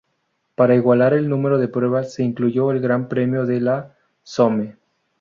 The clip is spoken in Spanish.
Para igualar el número de pruebas se incluyó el Gran Premio de la Somme.